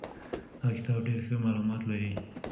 دغه کتاب ډېر ښه معلومات لري.